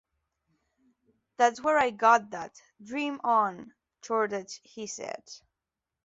"That's where I got that "Dream On" chordage," he said.